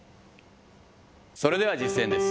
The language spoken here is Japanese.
それでは実践です。